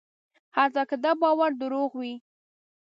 حتی که دا باور دروغ وي.